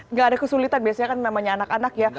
nggak ada kesulitan biasanya kan namanya anak anak ya